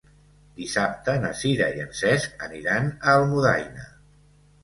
Dissabte na Sira i en Cesc aniran a Almudaina.